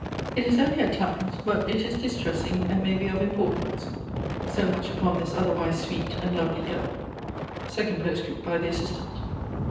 It is only at times, but it is distressing, and may be of importance. So much upon this otherwise sweet and lovely girl." SECOND POSTSCKIPT, BY THE ASSISTANT.